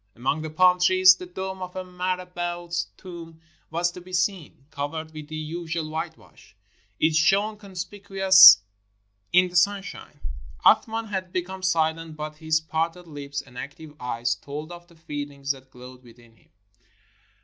Among the palm trees, the dome of a mara bout's tomb was to be seen. Covered with the usual whitewash, it shone conspicuous in the sunshine. Ath man had become silent, but his parted lips and active eyes told of the feelings that glowed within him.